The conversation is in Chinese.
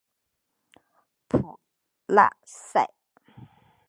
普赖萨。